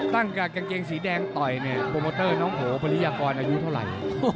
ตั้งแต่กางเกงสีแดงต่อยเนี่ยโปรโมเตอร์น้องโอพริยากรอายุเท่าไหร่